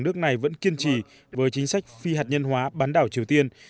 nước này vẫn kiên trì với chính sách phi hạt nhân hóa bán đảo triều tiên